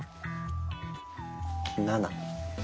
７！